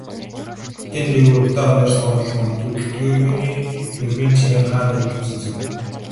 Хотын дээгүүр утаа униар суунаглан, авто хөдөлгөөний нүргээнт чимээ хаа нэгхэн сонсогдоно.